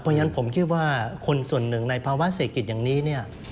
เพราะฉะนั้นผมคิดว่าคนส่วนหนึ่งในภาวะเศรษฐกิจอย่างนี้เนี่ย